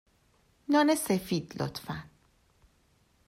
نان سفید، لطفا.